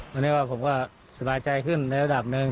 วันนี้ว่าผมก็สบายใจขึ้นในระดับหนึ่ง